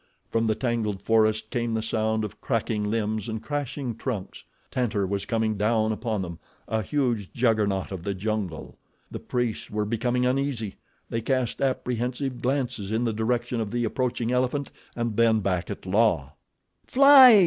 From the tangled forest came the sound of cracking limbs and crashing trunks—Tantor was coming down upon them, a huge Juggernaut of the jungle. The priests were becoming uneasy. They cast apprehensive glances in the direction of the approaching elephant and then back at La. "Fly!"